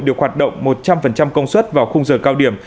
được hoạt động một trăm linh công suất vào khung giờ cao điểm